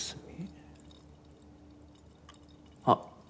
あっ。